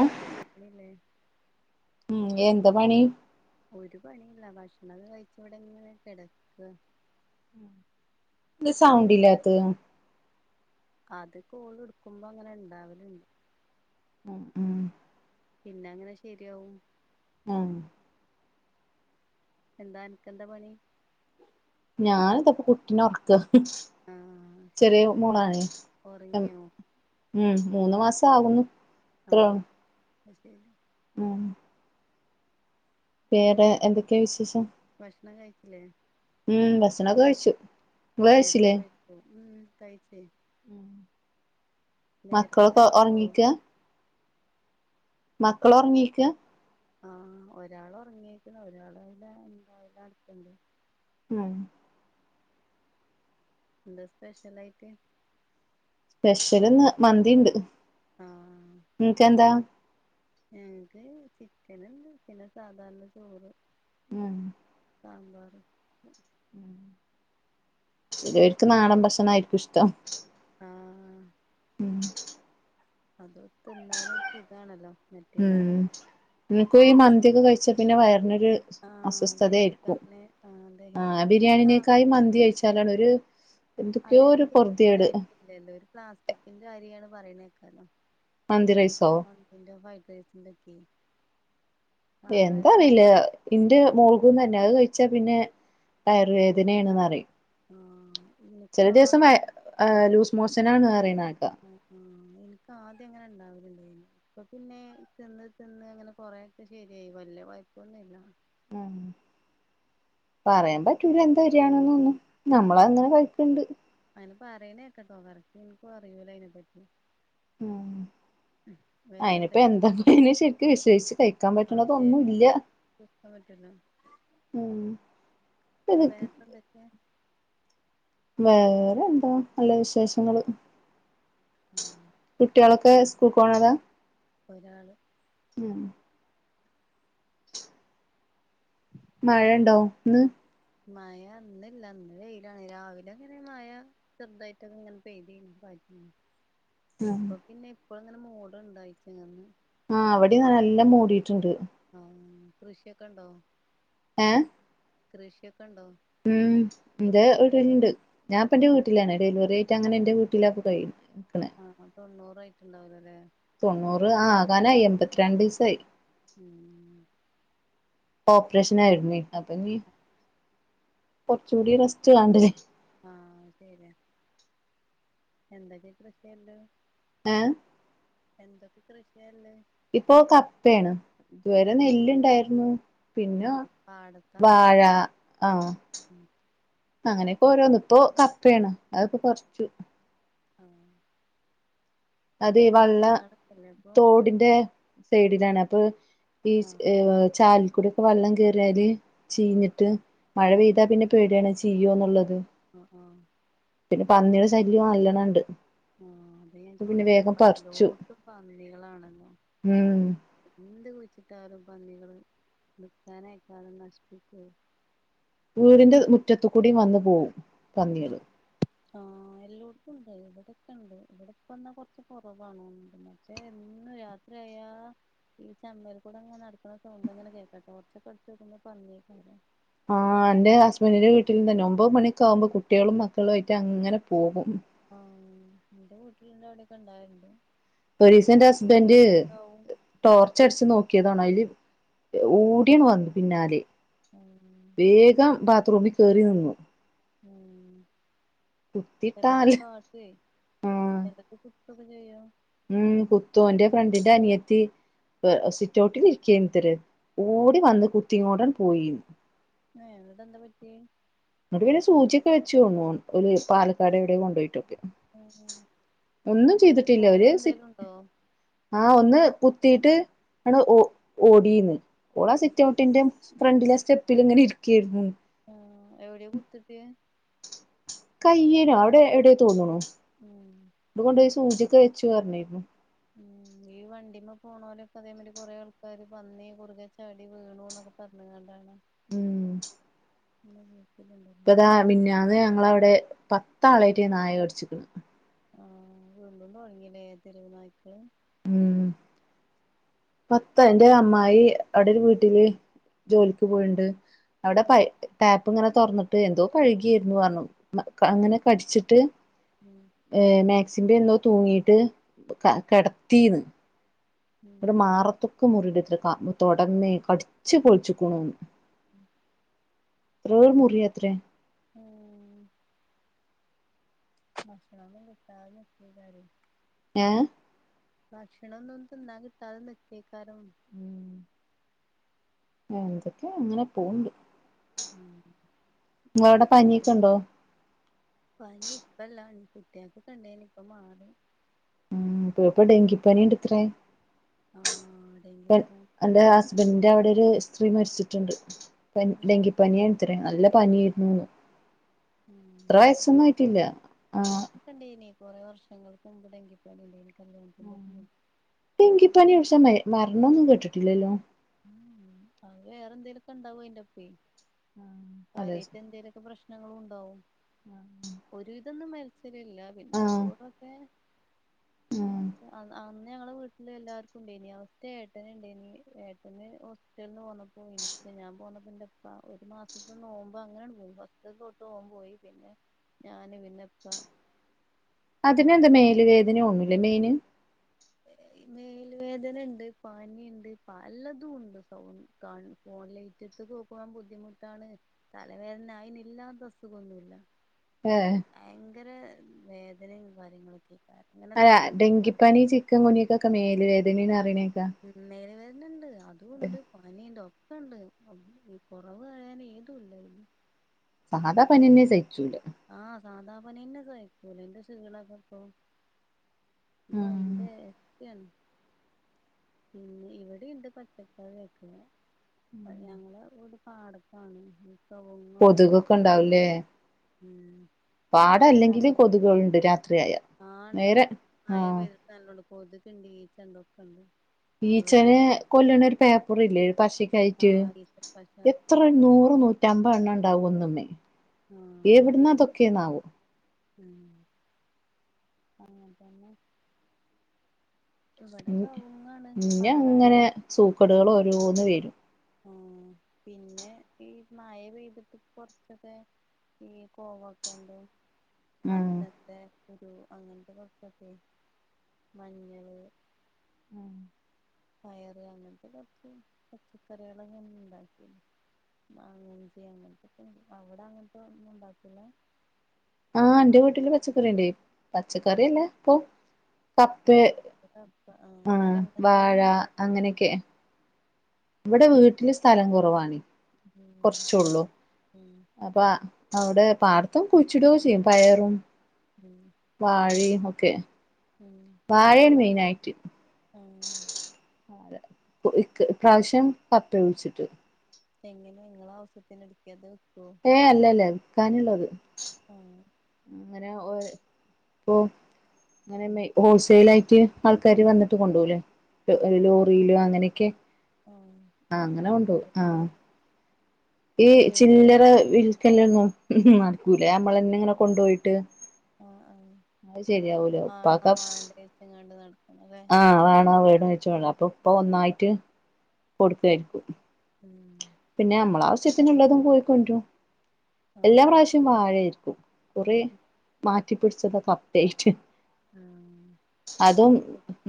ഓ മക്കളില്ലേ ഉം എന്ത പണി ഒരു പണിയില്ല ഭക്ഷണം കഴിച്ച ഇവിടെ ഇങ്ങനെ കിടക്ക എന്താ സൗണ്ട് ഇല്ലാത്തെ അത് കോള് എടുക്കുമ്പോ അങ്ങനെ ഉണ്ടാവലുണ്ട് ഉം ഉം പിന്നെ അങ്ങനെ ശെരിയാവും ആഹ് എന്താ അനക്ക് എന്താ പണി ഞാനിതപ്പ കുട്ടീന ഉറക്ക ആഹ് ശരി ചെറിയ മോളാണ് ഉറങ്ങിയോ ഉം മൂന്ന് മാസ ആകുന്നു അത്രേ ഒള്ളൂ ആഹ് അയ് ശെരി ഉം വേറെ എന്തൊക്കെയാ വിശേഷം ഭഷ്ണം കയ്ച്ചിലെ ഉം ഭക്ഷണൊക്കെ കഴിച്ചു. ഇങ്ങള് നേരത്തെ കഴിച്ചില്ലേ കഴിച്ചോ ഉം കഴിച്ചേ ഉം നേരത്തെ മക്കളൊക്കെ കഴിക്കോ ഒർങ്ങീക്ക മക്കൾ ഒർങ്ങീക്കാ ആഹ് ഒരാൾ ഒർങ്ങിക്ക്ണ് ഒരാൾ അതിലെ എന്ത അതിലെ നടക്ക്ണ്ട് ആഹ് എന്താ സ്പെഷ്യലായിട്ട് പെഷ്യൽ ഇന്ന് മന്തിണ്ട് ആഹ് ഇങ്ങക്കെന്താ ഞങ്ങക്ക് ചിക്കന്ണ്ട് പിന്നെ സാധാരണ ചോറ് ആഹ് സാമ്പാർക്കെ ചെലോര്ക്ക് നാടൻ ഭക്ഷണായിരിക്കും ഇഷ്ട്ടം ആഹ് ഉം അത് തിന്നാലൊരു സുഖാണല്ലോ മറ്റീലേറെ ഇൻക്കു ഈ മന്തിയൊക്കെ കയ്ച്ചാ പിന്നെ വയറിനൊര് ആഹ് അസ്വസ്ഥതയായിരിക്കും ദഹിക്കാന് ആഹ് ആഹ് ദഹിക്കാന് എനിക്ക് ബിരിയാണിനേക്കായി ആദ്യം മന്തി കഴിച്ച ലാണ് ഒരു എന്തൊക്ക്യോ ഒരു പൊർത്യേട് ചെലോര് പ്ലാസ്റ്റിക്കിന്റെ അരിയാണ് പറിയ്ണേക്കാലോ മന്തി റൈസോ മന്തിന്റെയും ഫ്രൈഡ് റൈസിന്റൊക്കെയ് എന്താറീല ഇന്റെ മോൾക്കും തന്നെ അത് കഴിച്ചാൽ പിന്നെ വയർ വേദനയാണെന്ന് പറയും ആഹ് എനിക്ക് ചെല ദിവസം വ ആദ്യം ആഹ് ലൂസ് മോഷനാണ് പറയണേക്കാ ആഹ് ആഹ് എനിക്ക് ആദ്യം അങ്ങനെ ഇണ്ടാവലണ്ടേനി ഇപ്പൊ പിന്നെ തിന്ന് തിന്ന് അങ്ങനെ കൊറേക്കെ ശെരിയായി വല്യ കൊയ്പ്പൊന്നുല്ല മ്മ് പറയാൻ പറ്റൂല എന്താ വരാണ്ന്നൊന്നും നമ്മളങ്ങനെ കൈക്ക്ണ്ട് അയിന് പറയണേക്കെട്ടോ കറക്റ്റ് ഇൻക്കും അറിയൂല അയ്നെപ്പറ്റി മ്മ് വേറെ അയ്ന്പ്പോ എന്തൊക്കെ എന്താപിന്നെ ശെരിക്ക് വിശേഷിച്ച് കയ്ക്കാൻ പറ്റ്ണതൊന്നുല്ല വെക്കാൻ പറ്റില്ല മ്മ് വേറെപ്പന്തൊക്കെയാ വേറെ എന്താ നല്ല വിശേഷങ്ങള് ആഹ് കുട്ടിയോളൊക്കെ സ്കൂള്ക്ക് പോണതാ ഇപ്പൊരാള് മ്മ് [inaudible] മഴണ്ടോ ഇന്ന് മയ ഇന്നില്ല ഇന്ന് വെയിലാണ് രാവിലെ ഇങ്ങനെ മയ ചെർതായ്ട്ടൊന്ന് ഇങ്ങനെ പെയ്തീനി പാറ്റീനി [inaudible] ഇപ്പൊ പിന്നെ ഇപ്പോ അങ്ങനെ മൂട്ണ്ട് അയ്ച്ച്ങ്ങന്ന് ആഹ് ഇവ്ടിം നല്ല മൂടിട്ട്ണ്ട് ആഹ് കൃഷിക്കെ ഉണ്ടോ ഏഹ് കൃഷിയൊക്കെ ഉണ്ടോ മ്മ് ൻ്റെ വീട്ടിലുണ്ട് ഞാൻ ഇപ്പന്റെ വീട്ടിലാണ് ഡെലിവറി ആയിറ്റ് അങ്ങനെ എന്റെ വീട്ടിലാ കഴിയണെ നിക്കണെ ആഹ് തൊണ്ണൂറ് ആയിട്ടുണ്ടാവില്ല അല്ലേ തൊണ്ണൂറ് ആഹ് ആകാനായി എൺമ്പത്തിരണ്ട് ദിവസായി മ്മ് ഓപ്പറേഷന് ആയിരുന്നു അപ്പൊ ഇനി കൊറച്ചുകൂടി റെസ്റ്റ് വേണ്ടേ ആഹ് അതെല്ലേ [inaudible] ഏഹ് എന്തൊക്കെ കൃഷിയാ ഉള്ളേ ഇപ്പൊ കപ്പയാണ് ഇതുവരെ നെല്ല്ണ്ടായിരുന്നു പിന്നെ ആഹ് പാടത്താ വാഴ ആഹ് ഉം അങ്ങനെയൊക്കെ ഓരോന്ന് ഇപ്പോ കപ്പയാണ് അതിപ്പോ കൊറച്ചു ആഹ് അതീ വള്ള പച്ചയാടൊക്കെല്ലേ അപ്പൊ തോടിന്റെ സൈഡിലാണ് അപ്പൊ ഈ ആഹ് ഏഹ് ചാലിക്കുടി വെള്ളം കയറിയാല് ആഹ് ചീഞ്ഞിട്ട് മഴ ആഹ് പെയ്താ പിന്നെ പേടിയാണ് ചെയീ്യോന്നുള്ളത് ആഹ് ആഹ് പിന്നെ പന്നിയുടെ ശല്യവും അല്ലണം ഉണ്ട് ആഹ് അത് ഞാൻ ചോദിച്ചിത് ഇപ്പ പറിച്ചു എല്ലോട്ടും പന്നികളാണല്ലോ ഉം എന്ത് കുഴിച്ചിട്ടാലും പന്നികള് നിൽക്കാനേക്കാലും നശിപ്പിക്ക വീടിന്റെ മുറ്റത്ത കൂടി വന്നു പോകവും ഉം ആഹ് എല്ലോടത്തും ഉണ്ട് ഇവിടെക്കെ ഉണ്ട് ഇവിടെപ്പ വന്നാ കൊറച്ച കുറവ്ണണ്ട് ഏയ് എന്നും യാത്രയ ഈ ചമ്മൽ കൂടെ അങ്ങന നടക്കുന്ന ചോണ്ടങ്ങനെ കേൾക്കട്ടെറച്ചക്കെ അടച്ച്നക്കുന്ന പറഞ്ഞേക്ക ആഹ് എന്റെ ഹസ്ബൻഡന്റെ വീട്ടിൽന്ന് തന്നെ ഒൻമ്പത് മണിക്ക ആവുമ്പോ കുട്ടികളും മക്കളും ആയിട്ട് അങ്ങനെ പോകും ആഹ് എന്റെ വീട്ടിലന്റെ അവിടെൊക്കെ ഉണ്ടായിണ്ട് ഒരീസം എന്റെ മൂന്നാമല് ഹസ്ബൻഡ് കുട്ടികളും ഒണ്ടാവും ടോർച്ച് അടിച്ച്ു നോക്കിയതാണോ അതില് ഓടിയാണ് വന്ന പിന്നാലെ ഉം വേഗം ബാത്റൂമിൽ കയറി നിന്നു ഉം കുത്തിട്ടാൽ ചലത് കാട്ട എന്തൊക്കെ കുത്തൊക്കെ ചെയ്യോ ഉം കുത്തു എന്റെ ഫ്രണ്ടിന്റെ അനിയത്തി സിറ്റ ഔട്ടിൽിരിക്ക തര ഓടി വന്ന് കുത്തിങ്ങോടൻ പോയി ഏയ് എന്നിട്ട് എന്താ പറ്റിയെ അങ്ങട്ട് പിന്നെ സൂചിയൊക്കെ വെച്ചച്ച് ഒരു പാലക്കാട് എവിടെയ കൊണ്ടപോയിട്ടൊക്കെ ഉം ഒന്നും ചെയ്തിട്ടില്ല മുറിവ് ഒരുര് സി എന്തേലും ഉണ്ടോ ആഹ് ഒന്ന് കുത്തിയിട്ട് ആണ് ഓടുന്നത് ഓളാ സീറ്റ് ഔട്ടിന്റെ ഫ്രണ്ടിലെ സ്റ്റെപ്പിൽ ഇങ്ങനെ ഇരിക്കായിരുന്നു ആഹ് എവിടെയാ കുത്ത് കിട്ടിയേ കയ്യില് അവിടെ എവിടെയ തോനാണ് ഉം ഇത്ുകൊണ്ട് സൂചയൊക്കെ വെച്ചു പറഞ്ഞിരുന്നു ഉ ഉം ഈ വണ്ടിമ്മ പോണ പോലൊക്കെ അതേമാതിരി കുറെേ ആൾക്കാർ വന്നി കുറുകെ ചാടി വീണു എന്നൊക്കെ പറഞ്ഞത് കൊണ്ടാണ് ഉം [unintelligible] ഇപ്പതാ നിന്നന്ന് ഞങ്ങളവിടെ പത്താളായിട്ട് നായ കടിച്ച്ക്ക്ൺ ആഹ് വീണ്ടും തൊടങ്ങീണ് തെരുവ് നായ്ക്കൾ. ഉം. പത്തെ എന്റെ അമ്മായി അടൊര് വീട്ടില് ജോലിക്ക് പോയിണ്ട് അവിടെ പ ഉം ടാപ്പ് ഇങ്ങനെ തുറന്നിട്ട് എന്തോ കഴുകയിരുന്നു റഞ്ഞു മ ക അങ്ങനെ കടിച്ചിട്ട്- ഉം. ഏയ് മാക്സിന്റെ എന്തോ തൂങ്ങിട്ട് ക കേടത്തീന്ന്. ഉം ങ്ങട് മാറത്ത്കുമുറി [unintelligible] ക തൊടന്ന് കട്ച്ചി പപൊളിച്ചിക്ക്ണൂന്ന്. മ്. വേഹ് മുറിയത്രേ. ആഹ് ഭക്ഷണന്നും കിട്ടാതെക്കേക്കരേ. ഞാ ഭക്ഷണന്നും തിന്നാൻ കിട്ടാതെ നിക്കെക്കാരം [unintelligible] എന്തക്യോ അങ്ങനെ പോവുണ്ട് ഉം ങ്ങളവ്ടെ ഇത് പനിയൊക്കണ്ടോ പനി ഇപ്പല്ലാ കുട്ടിയക്കെക്കണ്ടേനി ഇപ്പ മാറി ഉം പെ പ്പെ ഡെങ്കിപനിണ്ടത്ര ആഹ് ഡെങ്കി പൂ ഹ ഹ ഹേ. ന്റെ അവടൊരു സ്ത്രീ മരിച്ചിട്ട്ണ്ട് പനി ഡെങ്കിപ്പനിയാത്ര നല്ല പനിയിരുന്നുന്ന് ഉം ത്ര വയസൊന്നും ആയിട്ടില്ല ആഹ് ഇൻക്ക് ണ്ടയ്നി കൊറെ വർഷങ്ങൾക്ക്മുമ്പ് ടങ്കിപനിണ്ടയിനി കല്യാത്തിന്റെക്കെ മു ഡെങ്കിപനിട്ഷാ മര് മരണോന്നും കേട്ട്ട്ട്ല്ലല്ലോ ഉം അത് വേറെ എന്തേലുക്കെ ണ്ടാവുയിന്റെപ്പേ അതെ കാര്യയ്ട്ട് എന്തേലുക്കെ പ്രശ്നങ്ങളുണ്ടാവും [unintelligible] ഒരു വിധതൊന്നും മരിച്ചലില്ല പിന്നെ ആഹ് അബൂർവൊക്കെ ന്നൊ ആഹ് ക്കെ അന്ന അന്ന് ഞങ്ങളെ വീട്ടിലെ എല്ലാർക്കു ണ്ടയിനി അവ്ട്ത്തെ ഏട്ടൻണ്ടയ്നി ഏട്ടന് ഹോ റ്റൽന്ന് പോന്നപ്പോ ഇൻക്ക് ഞാൻ പോന്നപ്പോ എന്റെപ്പ ഒരു മാസ് ന്ന് പ്പം നോമ്പ് അങ്ങനണ്ട് പൊയി ഫസ്റ്റ് തെട്ട് ഓൻ മ്പോയി പിന്നെ ഞാൻ പിന്നെ ഇപ്പ അതിനന്താ മേല് വേദഒന്ന്ലെ മെന് ഹേ ഹേ മേൽ വേദനണ്ട് പനിണ്ട് പലതുംണ്ട് സൗ കാണ് ഫോൺ ലേറ്റത്ത് കോക്കാൻ ബുദ്ധിമുട്ടാണ് തലവേദന അയിന് ഇല്ലാത്ത അസുഖന്നുല്ല ഹേ ഭയങ്കര വേദനയും കാര്യങ്ങളൊക്കെ അങ്ങനെ അല്ല തണുപ്പ് കറക്ക ഡെങ്കിപ്പനി ചിക്കൻ കുനിയാക്കൊക്കെ മേല് വേദനെണ് അറിണേക്കാ ഉം മേൽവേദനണ്ട് അതുണ്ട് പനിണ്ട് ഒ ക്കണ്ട് ഒ ഈ കൊറവ്ർയാൻ ഏതുല്ലല്ലോ സാദാ പനിനന്നെ സഹിച്ചൂല ആഹ് സാദാ പനിനന്നെ സഹിക്കൂല ന്റെ ഷീണക്കപ്പോ ഇതായി- ആഹ് ഏഹ് ത്തിയാണ് ന്നെ ഇവടിണ്ട് പച്ചക്കറി ഒക്കെ ഞങ്ങളെ വീട് പാടത്താണ് ഹ് കാവ്ങ്ങൊക്ക്ഉണ്ടായ് കൊതുകൊക്കെ കാണ്ട് ഉണ്ടാവൂലേ ഉം പാട ഇപ്പത്തെ അല്ലെങ്കില് കാത്രന്നെ കൊതുകുകളുണ്ട് രാത്രിയായ ആഹ് ണ്ട് നേരെ മഴ ആഹ് പെയ് തന്നെള്ളു കൊത്ക്ണ്ട് ഈച്ചൻണ്ട് ഒക്കണ്ട് ഈച്ചനെ കൊല്ല്ണരു പേപ്പറില്ലേ ആ പഷക്കായിട്ട് ഈച്ചപ്പശ എത് എത്ര നൂറ് നൂറ്റമ്പണ്ണം ണ്ടാവും ഒന്ന്മ്മേ ആഹ് ഉം അങ്ങൻ തന്നെ ഇവിടെ ഉം കവുങ്ങാണ് ഇഞ്ഞങ്ങനെ പാടായോണ്ട് സൂക്കടുകൾ ഓരോന്ന് വരും ആഹ് പിന്നെ ഈ മഴ പെയ്തിട്ട് കോർച്ചൊക്കെ ഈ കോവൊക്കെന്റെ ഉം മത്തത്തെന്റെ കുരു അങ്ങനത്തെ കുറച്ചൊക്കെ മഞ്ഞള് [unintelligible] പയറ് അങ്ങനത്തെ കുറച്ച് പച്ചക്കറികളൊക്കെ ണ്ടാകീൻ മാഗഞ്ചി അങ്ങനത്തെ അവിടെ അങ്ങനത്തെൊന്നും ഉണ്ടാക്കൂല ആഹ് ഇന്റെ വീട്ടില് പച്ചക്കറിണ്ട് പച്ചക്കറിയല്ലേ ഇപ്പൊ കപ്പ് കപ്പ അല്ല ആഹ് വാഴ ഇങ്ങനത്തതൊന്നും അങ്ങനെയൊക്കെ ഇവിടെ വീട്ടില് സ്ഥലം കുറവാാണ് ഉം കുറച്ചോള്ളു ഉം പ്പ അവിടെ പാടത്തം കുയ്ച്ചിടൂ ചെയ്യും പയറും ഉം വാഴയുംമൊക്കെ ഉം വാഴയും മെയിനായിറ്റ് ഉം പ്രാവശ്യം പപ്പ കൂയിച്ചിട് എങ്ങനെ നിങ്ങളാ ആവശ്യത്തിന് എടുക്കോ അതോ വിക്കോ ഏയ് അല്ല അല്ല വിൽക്കാനുള്ളത് ആഹ് അങ്ങനെ ഇപ്പ ഉം അങ്ങനെ ഹോൾസെൽ ആയിട്ട് ആൾക്കാാര് വന്നിട്ട് കൊണ്ടോഊലെ ആഹ് ലോറിയിലോ അങ്ങനെയൊക്കെ ആഹ് ആഹ് അങ്ങനെ കൊണ്ടോകും ആഹ് കൊടുക്കുംല്ലേ ഈ ചെടിയോ ചില്ലറ വിൽക്കലന്നു നടക്കൂലേ നമ്മള എന്നെ ഇങ്ങനെ കൊണ്ടോയിട്ട് ആഹ് ആഹ് അത് ശരിയാവൂല വാണോ ഉപ്പാക്ക് വാണ്ടേച്ങ്ങണ്ട് നടക്കണത ആഹ് വേണോ വേണോയ്ച് വന്ന് അപ്പൊ ഇപ്പൊ ഒന്നായിട്ട് കൊടുത്തയക്കും ഉം പിന്നെ നമ്മളെ ആശ്യത്തിനുള്ളതും പോയിക്കൊണ്ട്രും എല്ലാ ആഹ് പ്രാവശ്യം വാഴായിരിക്കും കുറെ മാറ്റി പിടിച്ചതൊക്കെ അപ്ഡറ്റ് ആഹ് അതും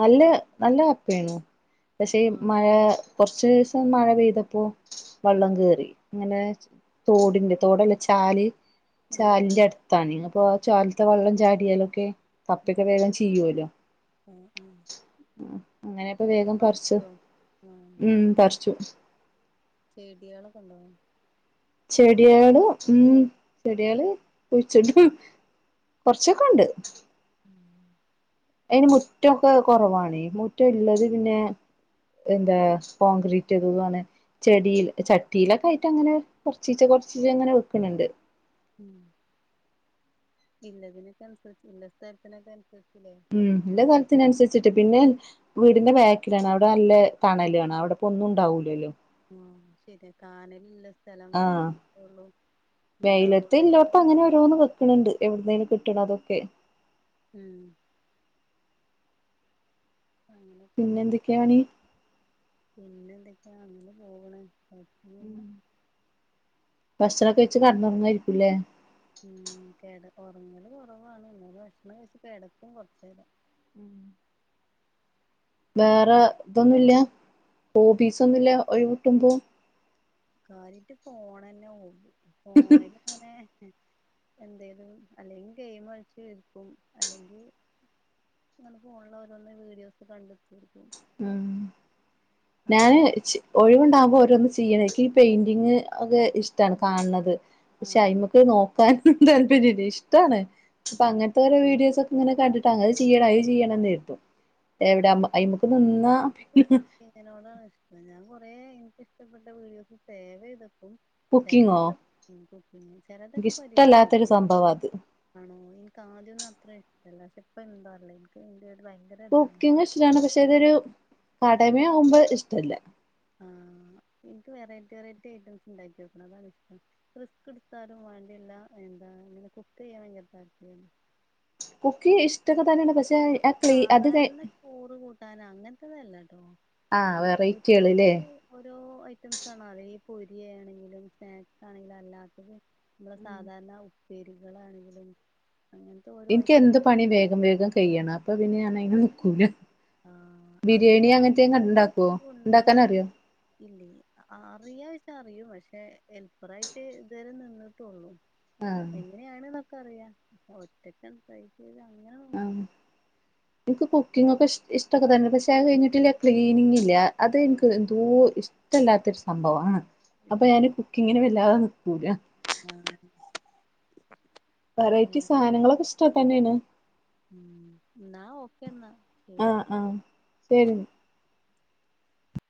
നല്ല നല്ല കപ്പയാണ് പക്ഷേ ആഹ് മഴ കൊറച്ചീസം മഴ പെയ്തപ്പോ വെള്ളം ആഹ് കേറി അങ്ങനെ തോടിന്റെ തോടല്ല ചാല് ആഹ് ചാലിന്റെ അടു താണ് അപ്പൊ ആ ചാൽത്തെ വെള്ളം ചാടിയാലൊക്കെ കപ്പക്കെ വേഗം ചീയൊല്ലോ ആഹ് ആഹ് അങ്ങനെപ്പൊ അതൊക്കെ വേഗം പറച്ചു പറിച്ചോ ആഹ് ഉം പറിച്ചു ചെടിയേളൊക്കെണ്ടോ ചെടിയാള് ഉം ചെടിയാള് കുഴിചിടും കൊറച്ചൊക്കെ ഉണ്ട് ഉം അയ്ന് മുറ്റൊക്കെ കുറവാണ് മുറ്റം ഉള്ളത് പിന്നെ എന്താ കോൺഗ്രീറ്റയ്തതാണ് ചെടിൽ ചട്ടിയിലൊക്കെ ആയിട്ട് അങ്ങനെ കൊറച്ചീച്ച കൊറചീച്ച അങ്ങനെ വെക്കണണ്ട് ഉം ഇന്നതിനൊക്കെ അനുസരിച്ച് ഇന്ന സ്ഥലത്തിനൊക്കെ അനുസരിച്ചില്ലേ ഉം ഇള്ള സ്ഥലത്തിനനുസരിച്ചിട്ട് പിന്നെ വീടിന്റെ ബോക്കിലാണ് അവിടെ നല്ല തണലാണ് അവിടെപ്പോന്നും ഉണ്ടാവൂലല്ലോ ആഹ് ശരിയാ കാനലുള്ള സ്ഥലം ആഹ് വാണം അപ്പൊള്ളൂ ഉണ്ടാവുള്ളു ഇപ്പൊ അങ്ങനെ ഓരോന്ന് വെക്കണണ്ട് എവിട്ന്നേലും കിട്ടണതൊക്കെ ഉം അങ്ങനെയൊക്കെല്ലേ പിന്നെ എന്തൊക്കെയാണ് പിന്നെ എന്തൊക്കെയാ അങ്ങനെ പോണ് കുഴപൊന്നുല്ല ഭക്ഷണക്കെ കഴിച് കടന്നുറങ്ങാായിരിക്കൂല്ലേ ഉം കെട ഉറങ്ങലും കുറവാണ് ഇന്നെ ഭക്ഷണം കഴച്ച് കിടക്കും കുറച്ചേരം വേറെ ഇതൊന്നുമില്ല ഹോബീസ് ഒന്നുമില്ല ഒഴിവ് കിട്ടുമ്പോ കാര്യായിട്ട് ഫോൺ തന്നെ ഹോബി ഫോണില് അങ്ങനെ എന്തെലും അല്ലെങ്കിൽ ഗെയിം കളിച്ച് ഇരിക്കും അല്ലെങ്കിൽ ഇങ്ങനെ ഫോണില് ഓരോന്ന് വീഡിയോസ് കണ്ട്ടിരിക്കും ആഹ് ഞാന് കഴിച്ചു ഒഴിവുണ്ടാകുമ്പോൾ ഓരോന്ന് ചെയ്യണം എനിക്ക് ഈ പെയിന്റിങ് ഒക്കെ ഇഷ്ടമാണ് കാണുന്നത് പക്ഷെ ആഹ് ആഹ് അയ്മേക്ക് നോക്കാൻ താല്പര്യം ഇല്ല ഇഷ്ടമാണ് അപ്പൊ ആഹ് അങ്ങനത്തെ ഓരോ വീഡിയോസ് ഒക്കെ അങ്ങനെ കണ്ടിട്ട് അങ്ങത് ചെയ്യണം അത് ചെയ്യണംന്ന് ആയിരുന്നു എവിടെമ്മ അയ്മുക്ക് നിന്ന എനിക്ക് കുക്കിങ്ങിനോടാണ് ഇഷ്ടം ഞാൻ കൊറെ എനിക്കിഷ്ടപ്പെട്ട വീഡിയോസ് സേവ് ചെയ്തു വെയ്ക്കും കുക്കിങ്ങോ ചിലതൊക്കെ കുക്ക് ചെയ്യും ചിലതൊക്കെ പരീക്ഷിച്ച് എനിക്കിഷ്ടല്ലാത്തൊരു നോക്കും സംഭവാ അത് ആണോ എനിക്ക് ആദ്യമൊന്നും അത്ര ഇഷ്ടമല്ല പക്ഷെ ഇപ്പ എന്താന്നറീല്ല എനിക്ക്ന്റെട് ഭയങ്കര ഇതാണ് കുക്കിംങ് ഇഷ്ടമാണ് പക്ഷെ അതൊരു കടമ ആകുമ്പോൾ ഇഷ്ടമല്ല ആഹ് എനിക്ക് വെറൈറ്റി വെറൈറ്റി ഐറ്റംസ് ഉണ്ടാക്കി നോക്കണം അതാണിഷ്ടം റിസ്ക് എടുത്താലും വേണ്ടില്ല എന്താണ് ഇങ്ങനെ കുക്ക് ചെയ്യാൻ ഭയങ്കര താത്പര്യമാണ് കുക്കിംഗ് ഇഷ്ടൊക്കെ തന്നെയാണ് പക്ഷെ അത് നമ്മൾ ക്ലീ അത് കഴിഞ്ഞ് സാധാരണ ചോറ് കൂട്ടാന് അങ്ങനത്തെതല്ലട്ടോ ആ ഈ വെറൈറ്റികള് ല്ലേ യൂട്യൂബില് ഓരോ ഐറ്റംസ് ആണോ അതെ ഈ പൊരിയയാണെങ്കിലും സ്നാക്സ് ആണെങ്കിലും അല്ലാത്തത് നമ്മള് സാധാരണ ഉപ്പേരികളാണെങ്കിലും അങ്ങനെ എനിക്ക് എന്ത് പണിയും വേഗം വേഗം കഴിയണം അപ്പൊ പിന്നെ ഞാൻ അതിന് നിക്കൂല ആ അങ്ങനെ ബിരിയാണി അങ്ങനത്തെ യെക്കെ ഉണ്ടാക്കുവോ ഉണ്ടാക്കാന് അറിയോ ഇല്ല അറിയാ വെച്ച അറിയും പക്ഷെ ഹെൽപ്പറായിട്ട് ഇതുവരെ നിന്നിട്ടുള്ളൂ ആഹ് എങ്ങനെയാാണ് എന്നൊക്കെ അറിയാം ഒറ്റക്ക് [unintelligible] അങ്ങനെ നോക്ക എനിക്ക് കുക്കിംഗ് ഒക്കെ ഇഷ് ഇഷ്ടക്കെ തന്നെ പക്ഷെ അത് കഴിഞ്ഞിട്ടുള്ള ക്ലീനിംങ് ഇല്ലേ അത് ആ എനിക്ക് എന്തോ ഇഷ്ടല്ലാത്തൊരു സംഭവാണ് അപ്പൊ ഞാന് ഇങ്ങനെ വല്ലാതെ നിക്കൂല ആഹ് വെറൈറ്റി സാധനങ്ങളൊക്കെ ഇഷ്ടം തന്നെയാണ് മ്മ് എന്നാ ഓക്കെന്നാ ആഹ് ആഹ് ശരി